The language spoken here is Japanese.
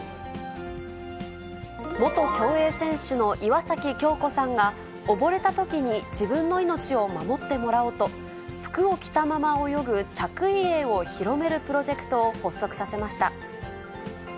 元競泳選手の岩崎恭子さんが、溺れたときに自分の命を守ってもらおうと、服を着たまま泳ぐ着衣泳を広めるプロジェクトを発足させました。